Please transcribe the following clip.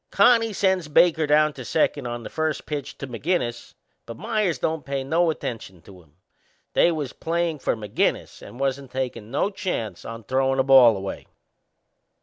Connie sends Baker down to second on the first pitch to McInnes, but Meyers don't pay no attention to him they was playin' for McInnes and wasn't takin' no chances o' throwin' the ball away.